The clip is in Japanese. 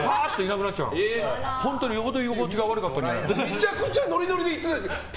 めちゃくちゃノリノリで行ってたじゃないですか。